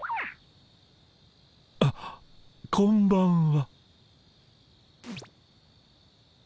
あっこんばんは。